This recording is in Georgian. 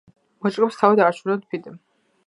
მოჭადრაკეებს თავად არჩევდა ფიდე.